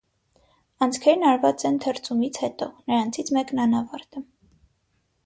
Անցքերն արված են թրծումից հետո (նրանցից մեկն անավարտ է)։